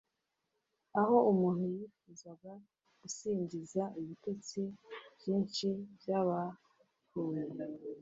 aho umuntu yifuza gusinzira ibitotsi byinshi byabapfuye